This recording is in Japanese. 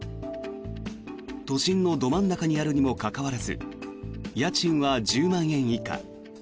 都心のど真ん中にあるにもかかわらず家賃は１０万円以下。